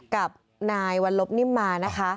กับนายวัลลบนิ่มมานะคะ